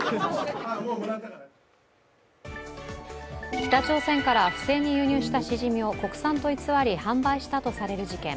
北朝鮮から不正に輸入したしじみを国産と偽り販売したとされる事件。